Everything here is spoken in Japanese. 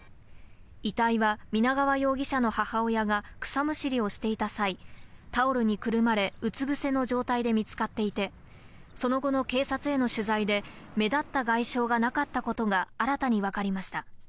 遺体は皆川容疑者の母親が草むしりをしていた際、タオルにくるまれうつぶせの状態で見つかっていて、その後の警察への取材で目立った外傷がなかったことが新たに分かりました。